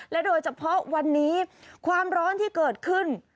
โดยเฉพาะวันนี้ความร้อนที่เกิดขึ้น